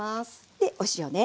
でお塩ね。